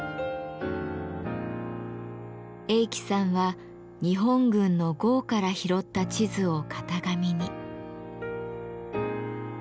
栄喜さんは日本軍の壕から拾った地図を型紙に。